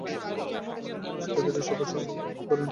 তিনি শিক্ষার্থীর শপথ গ্রহণ করেন।